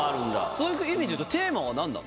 そういう意味でいうと、テーマはなんだ？